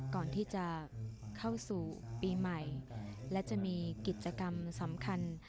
ก่อนที่จะเข้าสู่ปีใหม่และจะมีกิจกรรมสำคัญ